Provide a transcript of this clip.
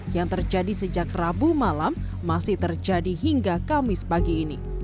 yang terjadi sejak rabu malam masih terjadi hingga kamis pagi ini